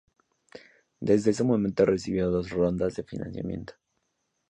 Desde ese momento recibió dos rondas de financiamiento.